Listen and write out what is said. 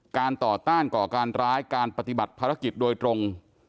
การต่อต้านก่อการร้ายการปฏิบัติภารกิจโดยตรง